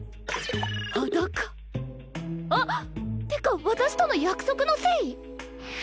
あっ！ってか私との約束のせい？